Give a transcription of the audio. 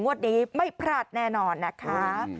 วันนี้ไม่พลาดแน่นอนนะคะ